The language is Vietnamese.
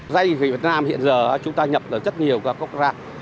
dây về việt nam hiện giờ chúng ta nhập ở rất nhiều các quốc gia